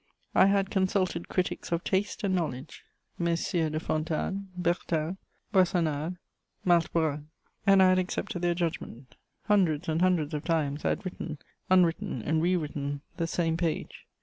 I had consulted critics of taste and knowledge: Messieurs de Fontanes, Bertin, Boissonade, Malte Brun; and I had accepted their judgment. Hundreds and hundreds of times I had written, unwritten and rewritten the same page.